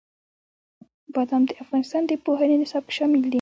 بادام د افغانستان د پوهنې نصاب کې شامل دي.